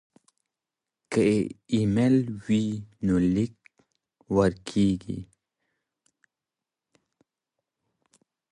که ایمیل وي نو لیک نه ورک کیږي.